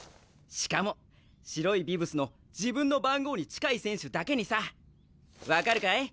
しかも白いビブスの自分の番号に近い選手だけにさ！分かるかい？